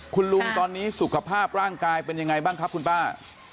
คุณลุงตอนนี้สุขภาพร่างกายเป็นยังไงบ้างครับคุณป้า